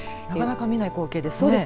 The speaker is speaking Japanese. なかなか見ない光景ですね。